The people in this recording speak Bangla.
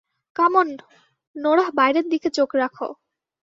কাম অন, নোরাহ বাইরের দিকে চোখ রাখ।